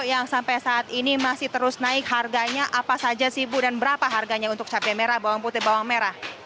yang sampai saat ini masih terus naik harganya apa saja sih bu dan berapa harganya untuk cabai merah bawang putih bawang merah